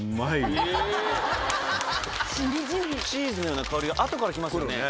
チーズのような香りが後から来ますよね。